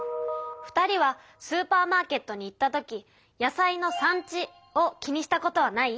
２人はスーパーマーケットに行った時野菜の産地を気にしたことはない？